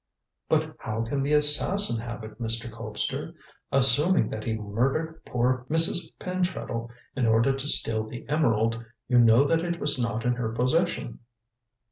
"But how can the assassin have it, Mr. Colpster? Assuming that he murdered poor Mrs. Pentreddle in order to steal the emerald, you know that it was not in her possession."